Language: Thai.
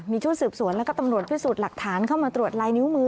มีชุดสืบสวนแล้วก็ตำรวจพิสูจน์หลักฐานเข้ามาตรวจลายนิ้วมือ